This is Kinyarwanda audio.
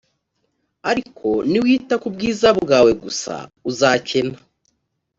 ariko niwita ku bwiza bwawe gusa uzakena